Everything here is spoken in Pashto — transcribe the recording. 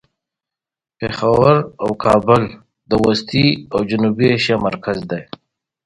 نجلۍ له بارانه نرمه ده.